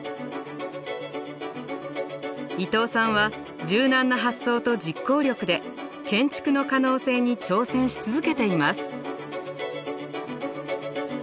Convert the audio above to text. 伊東さんは柔軟な発想と実行力で建築の可能性に挑戦し続けています。